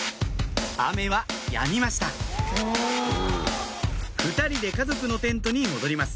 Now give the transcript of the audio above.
雨はやみました２人で家族のテントに戻ります